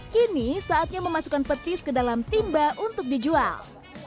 kini saatnya memasukkan petis ke dalam timba untuk dijual